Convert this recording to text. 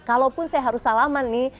kalaupun saya harus salaman nih